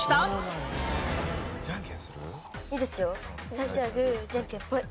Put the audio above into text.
最初はグーじゃんけんぽい。